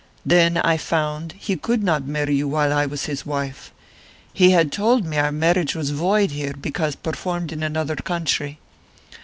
Then I found he could not marry you while I was his wife; he had told me our marriage was void here because performed in another country.